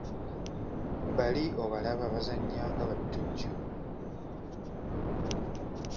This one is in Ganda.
Bali obalaba bazannya nga batujju.